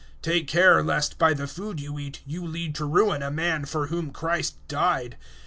Take care lest, by the food you eat, you lead to ruin a man for whom Christ died.